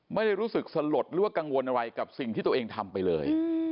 ไม่ได้รู้สึกสลดหรือว่ากังวลอะไรกับสิ่งที่ตัวเองทำไปเลย